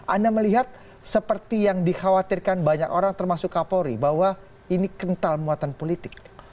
anda melihat seperti yang dikhawatirkan banyak orang termasuk kapolri bahwa ini kental muatan politik